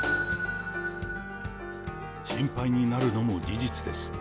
心配になるのも事実です。